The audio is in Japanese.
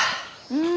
うん。